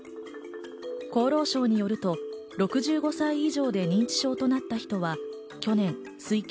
厚労省によると６５歳以上で認知症となった人は去年推定